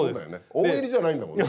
大喜利じゃないんだもんね。